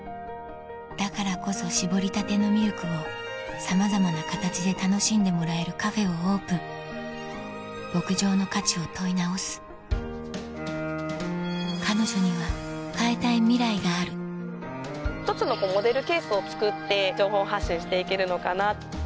だからこそ搾りたてのミルクをさまざまな形で楽しんでもらえるカフェをオープン牧場の価値を問い直す彼女には変えたいミライがある１つのモデルケースを作って情報発信して行けるのかな。